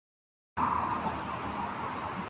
Se enfrentó a Juan Bert.